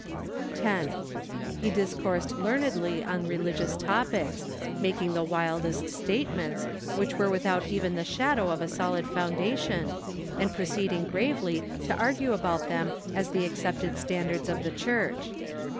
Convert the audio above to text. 10. He discoursed learnedly on religious topics, making the wildest statements, which were without even the shadow of a solid foundation, and proceeding gravely to argue about them as the accepted standards of the Church.